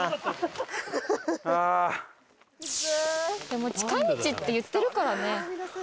でも近道っていってるからね。